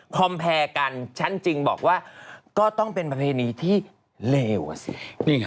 คอมแพรกันฉันจริงบอกว่าก็ต้องเป็นประเพณีที่เลวอ่ะสิ